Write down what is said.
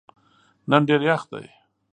نن ډېر یخ دی.